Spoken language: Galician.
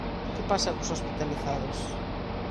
Que pasa cos hospitalizados?